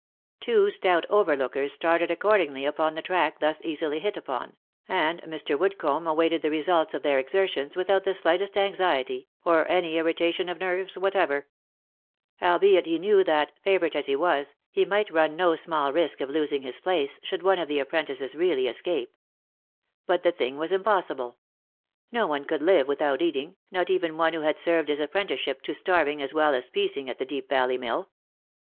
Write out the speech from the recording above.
Two stout overlookers started accordingly upon the track thus easily hit upon, and Mr. Woodcomb awaited the result of their exertions without the slightest anxiety, or any irritation of nerves whatever ; albeit he knew that, favourite as he was, he might run no small risk of losing his place, should one of the apprentices really escape — but the thing was impossible ; no one could live without eating, not even one who had served his apprenticeship to starving as well as piecing at the Deep Valley Mill.